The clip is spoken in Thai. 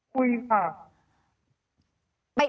คุยค่ะ